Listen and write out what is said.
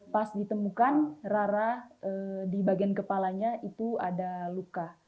pas ditemukan rara di bagian kepalanya itu ada luka